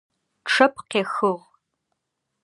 Чъэп къехыгъ.